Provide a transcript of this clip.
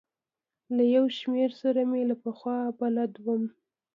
له یو شمېرو سره مې له پخوا بلد وم.